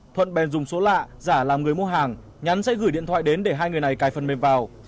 thuận bèn dùng số lạ giả làm người mua hàng nhắn sẽ gửi điện thoại đến để hai người này cài phần mềm vào